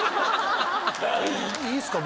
いいっすか？